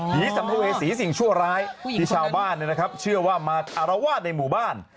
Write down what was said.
สัมภเวษีสิ่งชั่วร้ายที่ชาวบ้านเชื่อว่ามาอารวาสในหมู่บ้าน